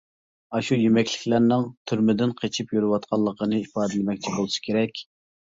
ئاشۇ يېمەكلىكلەرنىڭ «تۈرمىدىن قېچىپ» يۈرۈۋاتقىنىنى ئىپادىلىمەكچى بولسا كېرەك.